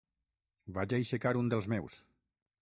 Vaig aixecar un dels meus.